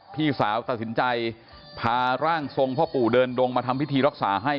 พี่สาวตัดสินใจพาร่างทรงพ่อปู่เดินดงมาทำพิธีรักษาให้